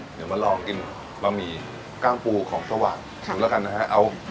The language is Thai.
เดี๋ยวมาลองกินปะหมี่กล้างปูของสว่างครับนี่ละกันนะฮะเอา